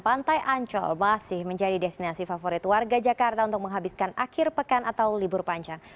pantai ancol masih menjadi destinasi favorit warga jakarta untuk menghabiskan akhir pekan atau libur panjang